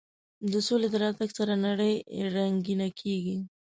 د سولې د راتګ سره نړۍ رنګینه کېږي.